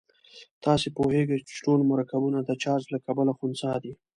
تاسې پوهیږئ چې ټول مرکبونه د چارج له کبله خنثی دي.